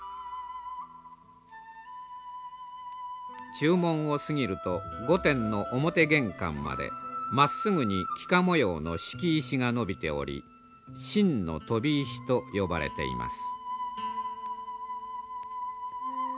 中門を過ぎると御殿の表玄関までまっすぐに幾何模様の敷石がのびており「真の飛石」と呼ばれています。